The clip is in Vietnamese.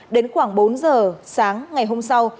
đến khoảng bốn giờ sáng ngày hôm sau